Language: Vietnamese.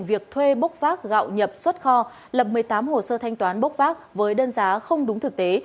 việc thuê bốc vác gạo nhập xuất kho lập một mươi tám hồ sơ thanh toán bốc vác với đơn giá không đúng thực tế